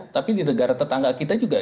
tapi di negara tetangga kita juga